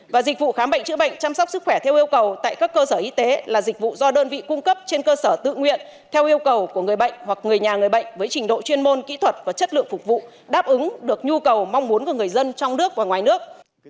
và dịch vụ khám bệnh chữa bệnh chăm sóc sức khỏe theo yêu cầu tại các cơ sở y tế là dịch vụ do đơn vị cung cấp trên cơ sở tự nguyện theo yêu cầu của người bệnh hoặc người nhà người bệnh với trình độ chuyên môn kỹ thuật và chất lượng phục vụ đáp ứng được nhu cầu mong muốn của người dân trong nước và ngoài nước